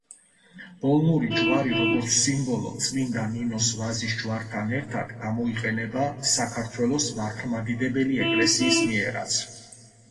ბოლნური ჯვარი, როგორც სიმბოლო, წმინდა ნინოს ვაზის ჯვართან ერთად გამოიყენება საქართველოს მართლმადიდებელი ეკლესიის მიერაც.